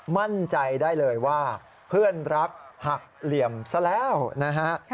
มั่นใจได้เลยว่าเพื่อนรักหักเหลี่ยมซะแล้วนะฮะ